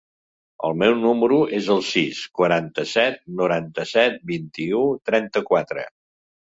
El meu número es el sis, quaranta-set, noranta-set, vint-i-u, trenta-quatre.